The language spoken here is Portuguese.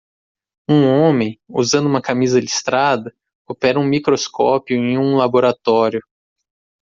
Um homem? usando uma camisa listrada? opera um microscópio em um laboratório.